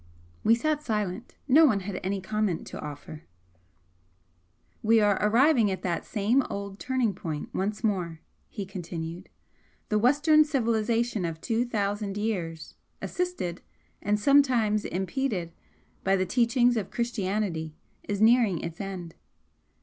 We sat silent; no one had any comment to offer. "We are arriving at that same old turning point once more," he continued "The Western civilisation of two thousand years, assisted (and sometimes impeded) by the teachings of Christianity, is nearing its end.